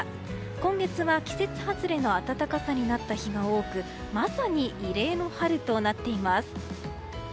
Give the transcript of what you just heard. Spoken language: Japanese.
今月は季節外れの暖かさになった日が多くまさに異例の春となっています。